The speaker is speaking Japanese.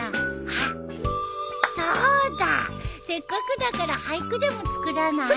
あっそうだせっかくだから俳句でも作らない？